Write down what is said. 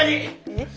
えっ？